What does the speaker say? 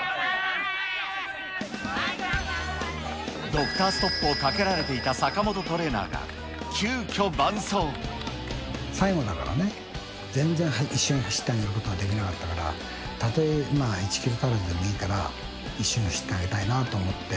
ドクターストップをかけられていた坂本トレーナーが急きょ、最後だからね、全然、一緒に走ってあげることができなかったから、たとえ１キロ足らずでもいいから、一緒に走ってあげたいなと思って。